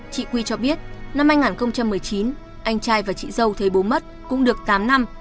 chị quy cho biết năm hai nghìn một mươi chín anh trai và chị dâu thấy bố mất cũng được tám năm